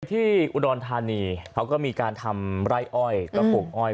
ที่อุดรธานีเขาก็มีการทำไร่อ้อยกระปลูกอ้อย